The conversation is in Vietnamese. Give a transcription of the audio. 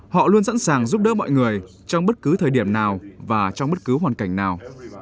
họ luôn sẵn sàng giúp đỡ mọi người trong bất cứ thời điểm nào và trong bất cứ hoàn cảnh nào